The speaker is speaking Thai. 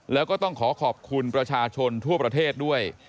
แล้วก็ต้องขอขอบคุณประชาชนทั่วประเทศด้วย